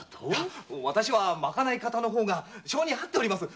わたしには賄方の方が性に合っております。